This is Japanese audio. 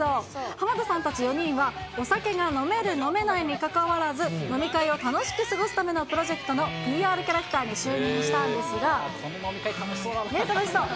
浜田さんたち４人は、お酒が飲める、飲めないにかかわらず、飲み会を楽しく過ごすためのプロジェクトのＰＲキャラクターに就この飲み会、楽しそうだな。